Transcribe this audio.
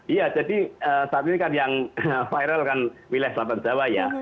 iya jadi saat ini kan yang viral kan wilayah selatan jawa ya